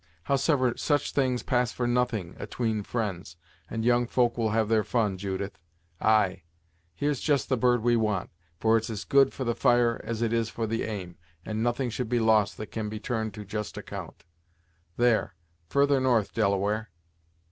Howsever, such things pass for nothing atween fri'nds, and young folk will have their fun, Judith. Ay; here's just the bird we want, for it's as good for the fire, as it is for the aim, and nothing should be lost that can be turned to just account. There, further north, Delaware."